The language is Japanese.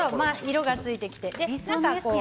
色がついてきて。